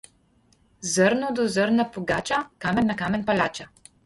Zrno do zrna pogača, kamen na kamen palača.